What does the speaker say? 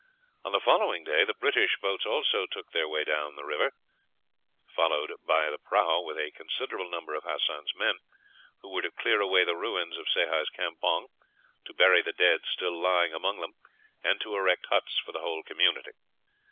On the following day, the British boats also took their way down the river, followed by the prahu, with a considerable number of Hassan's men, who were to clear away the ruins of Sehi's campong, to bury the dead still lying among them, and to erect huts for the whole community.